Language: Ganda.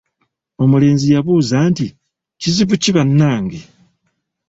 "Omulenzi yabuuza nti, “Kizibu ki bannange?"""